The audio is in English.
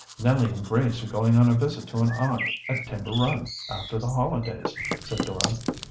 "Nellie and Grace are going on a visit to an aunt at Timber Run after the holidays," said Dora.